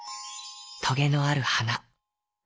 トゲのあるはな。